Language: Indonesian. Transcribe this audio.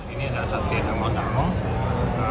ini adalah sate danguang danguang